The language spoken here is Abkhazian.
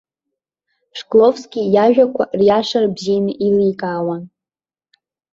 Шкловски иажәақәа риашара бзианы еиликаауан.